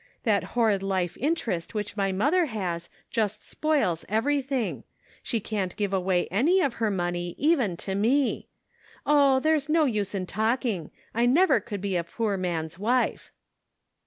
That horrid life interest which my mother has just spoils everything ; she can't give away any of her money, even to me. Oh, there's no use in talking ; I never could be a poor man's wife."